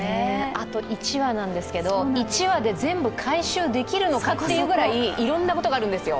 あと１話なんですが、１話で全部回収できるのかというくらいいろんなことがあるんですよ。